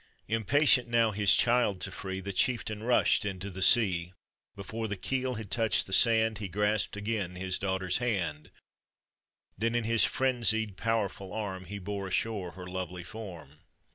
Impatient now his child to free, The chieftain rushed into the sea: Before the keel had touched the sand, He grasped again his daughter's hand, Then in his frenzied, powerful arm, He bore ashore her lovely form.